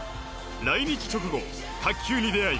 来日直後、卓球に出会い